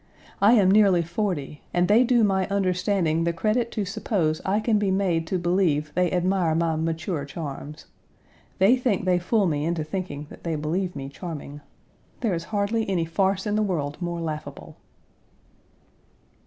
I am nearly forty, and they do my understanding the credit to suppose I can be made to Page 145 believe they admire my mature charms. They think they fool me into thinking that they believe me charming. There is hardly any farce in the world more laughable."